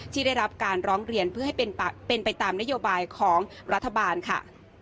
ที่ได้รับการร้องเรียนเพื่อให้เป็นไปตามนโยบายของรัฐบาลค่ะ